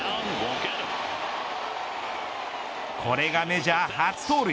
これがメジャー初盗塁。